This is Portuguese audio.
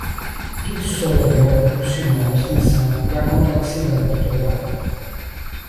piso salarial proporcional à extensão e à complexidade do trabalho;